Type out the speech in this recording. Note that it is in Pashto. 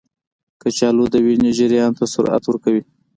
کچالو د وینې جریان ته سرعت ورکوي.